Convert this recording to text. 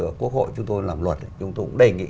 ở quốc hội chúng tôi làm luật chúng tôi cũng đề nghị